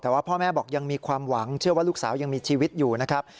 แต่ว่าพ่อแม่บอกยังมีความหวังเชื่อว่าลูกสาวยังมีชีวิตอยู่นะครับ